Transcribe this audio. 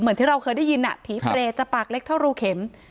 เหมือนที่เราเคยได้ยินผีเปรตจะปากเล็กเท่ารูเข็ม